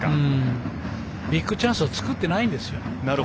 ビッグチャンスを作っていないんですよ。